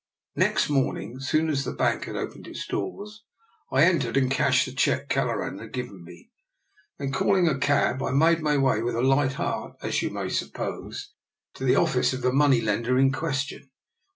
Next morning, as soon as the bank had opened its doors, I entered and cashed the cheque Kelleran had given me. Then, call ing a cab, I made my way with a light heart, as you may suppose, to the office of the money lender in question.